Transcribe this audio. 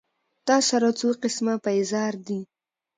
تا سره څو قسمه پېزار دي